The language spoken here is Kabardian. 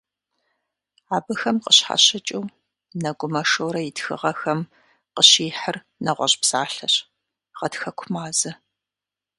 Абыхэм къыщхьэщыкӀыу, Нэгумэ Шорэ и тхыгъэхэм къыщихьыр нэгъуэщӀ псалъэщ - гъатхэкумазэ.